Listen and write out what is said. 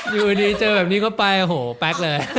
อยู่นี้เจอแบบนี้ก็ไปโหแป๊กเลย